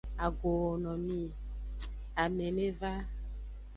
Agooo no mi; ame ne va.